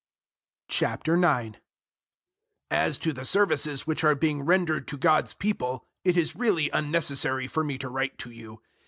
009:001 As to the services which are being rendered to God's people, it is really unnecessary for me to write to you.